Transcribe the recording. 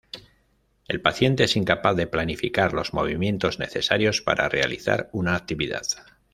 El paciente es incapaz de planificar los movimientos necesarios para realizar una actividad.